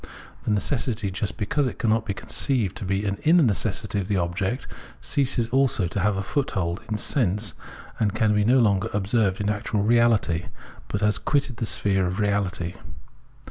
The necessity, just because it cannot be conceived to be an inner necessity of the object, ceases also to have a foothold in sense, and can be no longer observed ia actual reahty, but has quitted the sphere of reahty.